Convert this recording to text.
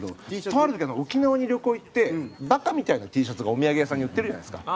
とある時沖縄に旅行行ってバカみたいなＴシャツがお土産屋さんに売ってるじゃないですか。